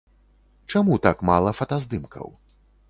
Чаму так мала фотаздымкаў?